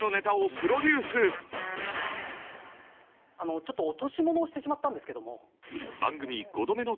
ちょっと落とし物をしてしまったんですけども。